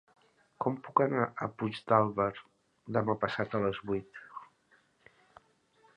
Com puc anar a Puigdàlber demà passat a les vuit?